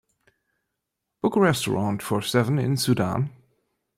book a restaurant for seven in Sudan